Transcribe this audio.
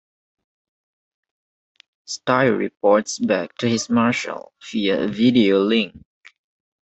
Styre reports back to his Marshal via a video link.